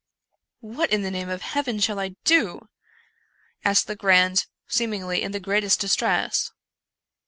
"What in the name of heaven shall I do?" asked Le grand, seemingly in the greatest distress.